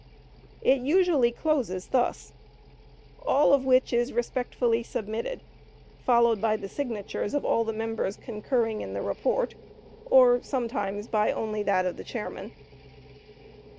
It usually closes thus: "All of which is respectfully submitted," followed by the signatures of all the members concurring in the report, or sometimes by only that of the chairman.